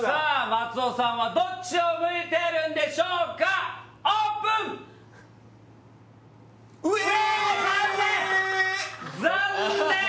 松尾さんはどっちを向いているんでしょうか上残念！